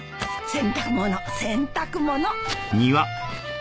洗濯物洗濯物。